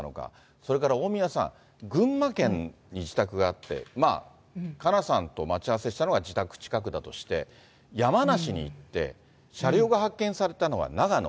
それから大宮さん、群馬県に自宅があって、花夏さんと待ち合わせしたのが自宅近くだとして、山梨に行って、車両が発見されたのは長野。